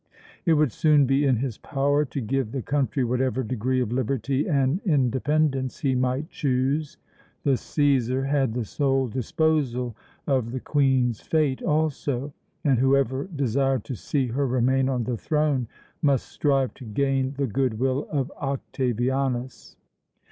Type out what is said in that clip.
It would soon be in his power to give the country whatever degree of liberty and independence he might choose. The Cæsar had the sole disposal of the Queen's fate also, and whoever desired to see her remain on the throne must strive to gain the good will of Octavianus.